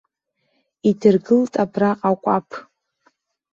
Идыргылт абраҟа акәаԥ.